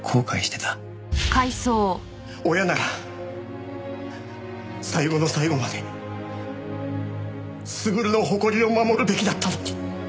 親なら最後の最後まで優の誇りを守るべきだったのに。